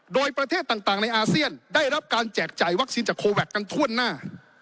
โดยประเทศต่างในอาเซียนได้รับการแจกจ่ายวัคซีนจากโคแวคกันทั่วหน้า